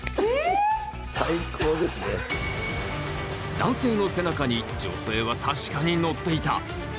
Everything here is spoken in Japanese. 男性の背中に女性は確かに乗っていた。